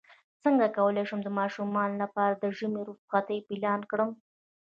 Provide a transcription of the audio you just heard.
څنګه کولی شم د ماشومانو لپاره د ژمی رخصتۍ پلان کړم